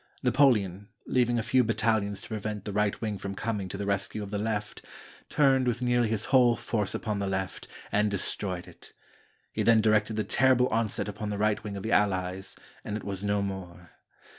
Napoleon, leaving a few battalions to prevent the right wing from coming to the rescue of the left, turned with nearly his whole force upon the left, and destroyed it. He then directed the terrible onset upon the right wing of the Allies, and it was no more.